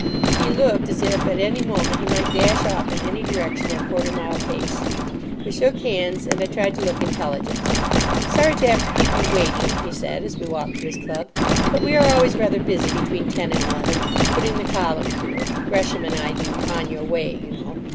He looked as if at any moment he might dash off in any direction at quarter mile pace. We shook hands, and I tried to look intelligent. "Sorry to have to keep you waiting," he said, as we walked to his club; "but we are always rather busy between ten and eleven, putting the column through. Gresham and I do 'On Your Way,' you know.